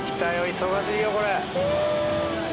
忙しいよこれ。